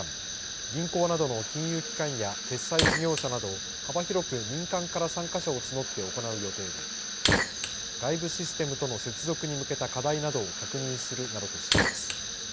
銀行などの金融機関や決済事業者など幅広く民間から参加者を募って行う予定で外部システムとの接続に向けた課題などを確認するなどとしています。